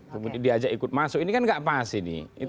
kemudian diajak ikut masuk ini kan nggak pas ini